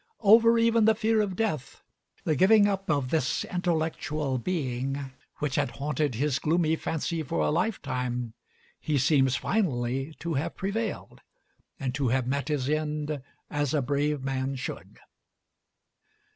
Over even the fear of death, the giving up of "this intellectual being," which had haunted his gloomy fancy for a lifetime, he seems finally to have prevailed, and to have met his end as a brave man should.